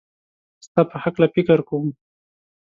ستا په هکله فکر کوم